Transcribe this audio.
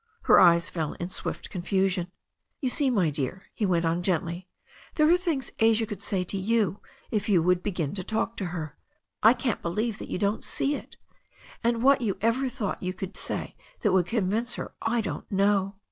Her eyes fell in swift confusion. "You see, my dear," he went on gently, "there are things Asia could say to you if you began to talk to her. I can't believe that you don't see it. And what you ever thought you could say that would convince her I don't know."